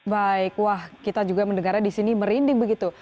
baik wah kita juga mendengarnya di sini merinding begitu